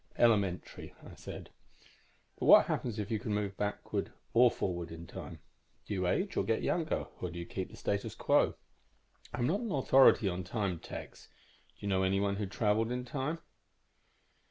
"Elementary," I said. "But what happens if you can move backward or forward in time? Do you age or get younger, or do you keep the status quo?" "I'm not an authority on time, Tex. Do you know anyone who traveled in time?"